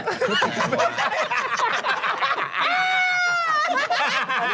โหล